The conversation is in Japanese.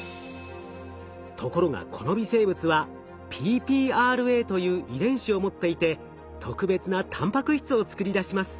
ところがこの微生物はＰｐｒＡという遺伝子を持っていて特別なたんぱく質を作り出します。